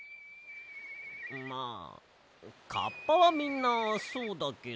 まあカッパはみんなそうだけど。